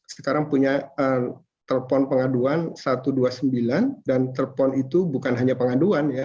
sekarang punya telepon pengaduan satu ratus dua puluh sembilan dan telepon itu bukan hanya pengaduan ya